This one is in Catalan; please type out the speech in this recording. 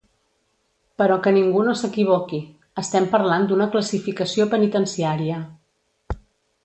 Però que ningú no s’equivoqui: estem parlant d’una classificació penitenciària.